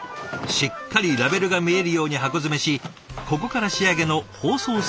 しっかりラベルが見えるように箱詰めしここから仕上げの包装作業へ。